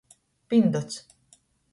Pindots.